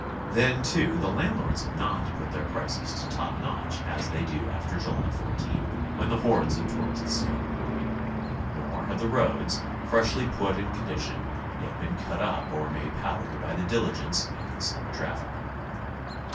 Then, too, the landlords have not put their prices to top notch as they do after July 14, when the hordes of tourists come. Nor have the roads, freshly put in condi tion, yet been cut up or made powdery by the diligence and the summer 'traffic.